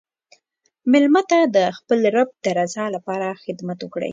مېلمه ته د خپل رب د رضا لپاره خدمت وکړه.